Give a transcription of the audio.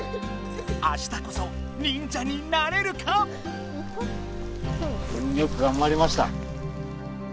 あしたこそ忍者になれるか⁉よくがんばりました。